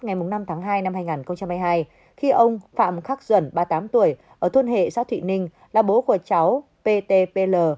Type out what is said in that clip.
ngày năm tháng hai năm hai nghìn hai mươi hai khi ông phạm khắc duẩn ba mươi tám tuổi ở thôn hệ xã thụy ninh là bố của cháu ptpl